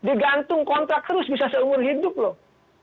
digantung kontrak terus bisa seumur hidup loh